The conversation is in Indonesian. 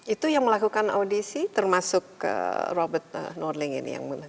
itu yang melakukan audisi termasuk robert norling ini yang